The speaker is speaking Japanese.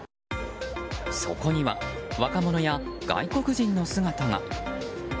そこには、若者や外国人の姿が。